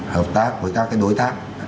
hợp tác với các đối tác